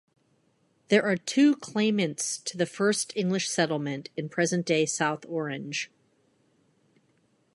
There are two claimants to the first English settlement in present-day South Orange.